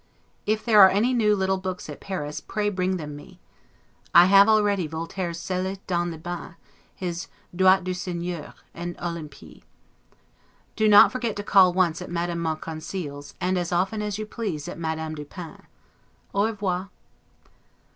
If there are any new little books at Paris, pray bring them me. I have already Voltaire's 'Zelis dans le Bain', his 'Droit du Seigneur', and 'Olympie'. Do not forget to call once at Madame Monconseil's, and as often as you please at Madame du Pin's. Au revoir.